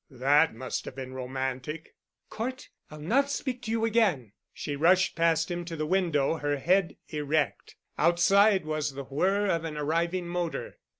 "That must have been romantic." "Cort, I'll not speak to you again." She rushed past him to the window, her head erect. Outside was the whirr of an arriving motor.